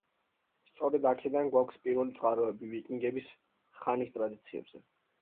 სწორედ აქედან გვაქვს პირველი წყაროები ვიკინგების ხანის ტრადიციებზე.